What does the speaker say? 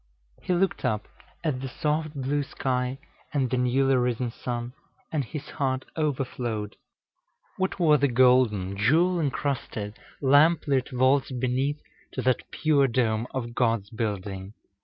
He looked up at the soft blue sky and the newly risen sun, and his heart overflowed. What were the golden, jewel incrusted, lamp lit vaults beneath to that pure dome of God's building!